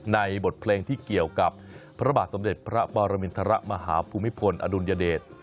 บทเพลงที่เกี่ยวกับพระบาทสมเด็จพระปรมินทรมาหาภูมิพลอดุลยเดช